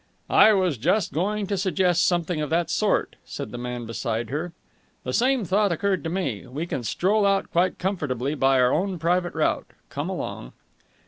"I was just going to suggest something of that very sort," said the man beside her. "The same thought occurred to me. We can stroll out quite comfortably by our own private route. Come along."